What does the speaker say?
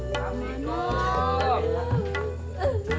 gak ada apa apanya